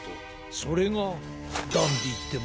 それがダンディってもんだろ。